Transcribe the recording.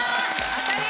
当たり！